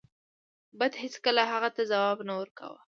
بت هیڅکله هغه ته ځواب نه ورکاو.